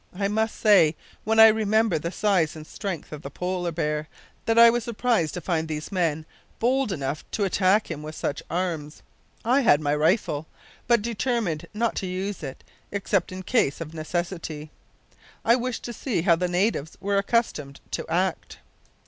I must say, when I remembered the size and strength of the polar bear, that I was surprised to find these men bold enough to attack him with such arms. I had my rifle, but determined not to use it except in case of necessity. I wished to see how the natives were accustomed to act.